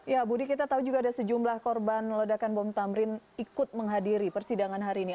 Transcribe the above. ya budi kita tahu juga ada sejumlah korban ledakan bom tamrin ikut menghadiri persidangan hari ini